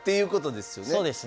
そうですね。